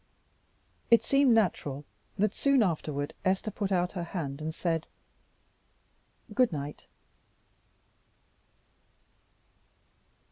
It seemed natural that soon afterward Esther put out her hand and said, "Good night."